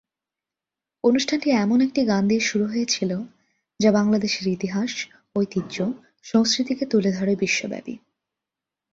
অনুষ্ঠানটি এমন একটি গান দিয়ে শুরু হয়েছিল যা বাংলাদেশের ইতিহাস, ঐতিহ্য, সংস্কৃতিকে ঐতিহ্যকে তুলে ধরে বিশ্বব্যাপী।